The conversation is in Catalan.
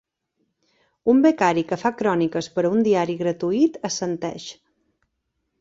Un becari que fa cròniques per a un diari gratuït assenteix.